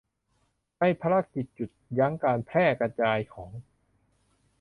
ในภารกิจหยุดยั้งการแพร่กระจายของ